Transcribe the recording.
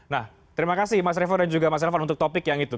nah terima kasih mas revo dan juga mas elvan untuk topik yang itu